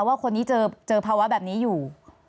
ว่าคนนี้เจอภาวะแบบนี้อยู่